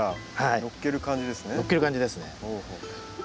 載っける感じですね。